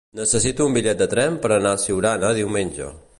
Necessito un bitllet de tren per anar a Siurana diumenge.